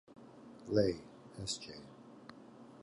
Leigh S. J.